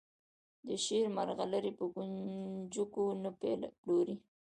د شعر مرغلرې په کونجکو نه پلوري.